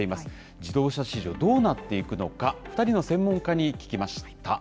自動車市場、どうなっていくのか、２人の専門家に聞きました。